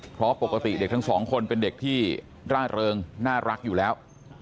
เพราะปกติเด็กทั้งสองคนเป็นเด็กที่ร่าเริงน่ารักอยู่แล้ว